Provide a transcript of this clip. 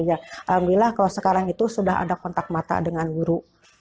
alhamdulillah kalau sekarang itu sudah ada kontak mata dengan guru